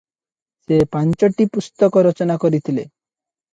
ସେ ପାଞ୍ଚଟି ପୁସ୍ତକ ରଚନା କରିଥିଲେ ।